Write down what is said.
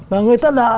và người ta đã